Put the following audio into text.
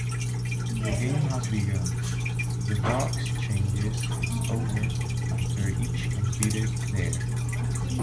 Their game has begun: the box changes its owner after each completed dare.